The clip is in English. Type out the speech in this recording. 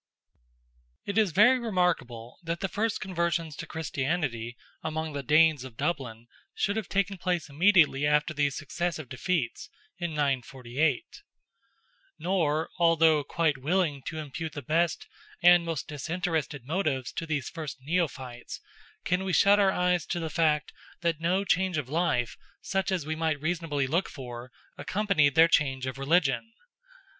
It is very remarkable that the first conversions to Christianity among the Danes of Dublin should have taken place immediately after these successive defeats—in 948. Nor, although quite willing to impute the best and most disinterested motives to these first neophytes, can we shut our eyes to the fact that no change of life, such as we might reasonably look for, accompanied their change of religion.